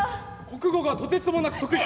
国語がとてつもなく。